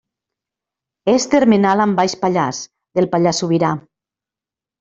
És termenal amb Baix Pallars, del Pallars Sobirà.